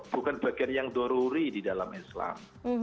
bukan bagian yang doruri di dalam islam